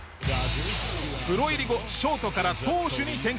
プロ入り後ショートから投手に転向。